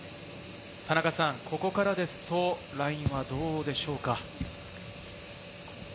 ここからですと、ラインはどうでしょうか？